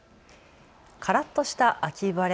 からっとした秋晴れ。